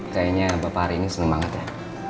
kayaknya bapak hari ini senang banget ya